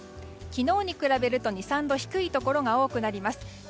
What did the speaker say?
昨日に比べると２３度低いところが多くなります。